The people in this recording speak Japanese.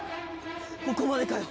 ここまでかよ。